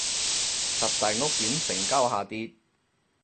十大屋苑成交下跌